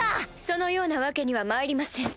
そのようなわけにはまいりません。